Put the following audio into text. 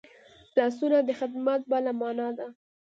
لاسونه د خدمت بله مانا ده